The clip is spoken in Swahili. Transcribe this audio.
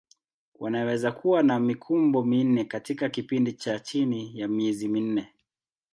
Wanaweza kuwa na mikumbo minne katika kipindi cha chini ya miezi minne.